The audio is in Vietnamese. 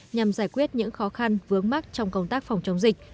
nhằm giải quyết những khó khăn vướng mắt trong công tác phòng chống dịch